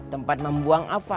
tempat membuang apa